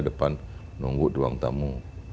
depan nunggu ruang tamu